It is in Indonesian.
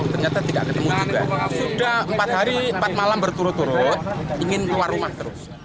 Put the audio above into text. ternyata tidak ketemu juga sudah empat hari empat malam berturut turut ingin keluar rumah terus